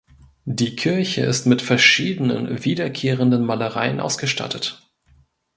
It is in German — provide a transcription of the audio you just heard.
Die Kirche ist mit verschiedenen wiederkehrenden Malereien ausgestattet.